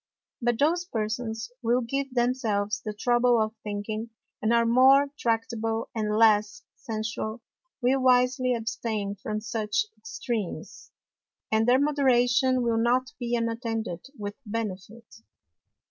But those Persons who will give themselves the trouble of thinking, and are more tractable and less sensual, will wisely abstain from such Extreams, and their Moderation will not be unattended with Benefit.